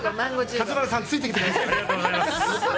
勝村さん、ついてきてくださいね。